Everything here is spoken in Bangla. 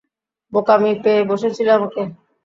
বোকামি পেয়ে বসেছিল আমাকে।